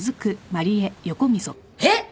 えっ！？